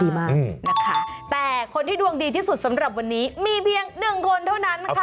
นะคะแต่คนที่ดวงดีที่สุดสำหรับวันนี้มีเพียงหนึ่งคนเท่านั้นค่ะ